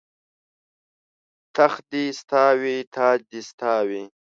تخت دې ستا وي تاج دې ستا وي